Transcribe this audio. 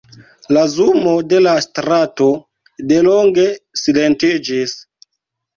La zumo de la strato delonge silentiĝis.